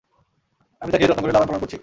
আমি তাকে যত্ন করে লালন-পালন করছি।